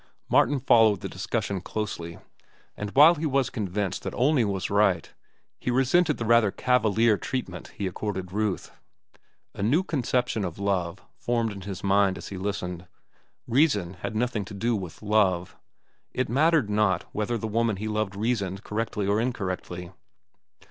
Martin followed the discussion closely, and while he was convinced that Olney was right, he resented the rather cavalier treatment he accorded Ruth. A new conception of love formed in his mind as he listened. Reason had nothing to do with love. It mattered not whether the woman he loved reasoned correctly or incorrectly.